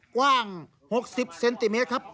กว้าง๖๐เซนติเมตรครับ